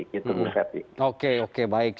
gitu bu fetry oke oke baik